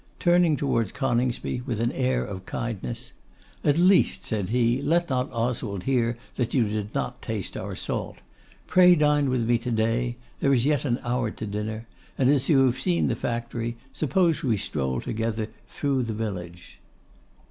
Turning towards Coningsby, with an air of kindness: 'At least,' said he, 'let not Oswald hear that you did not taste our salt. Pray dine with me to day; there is yet an hour to dinner; and as you have seen the factory, suppose we stroll together through the village.